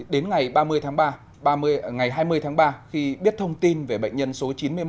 đến ngày hai mươi tháng ba khi biết thông tin về bệnh nhân số chín mươi một